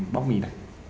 bóc mì này